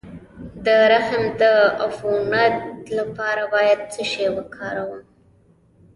د رحم د عفونت لپاره باید څه شی وکاروم؟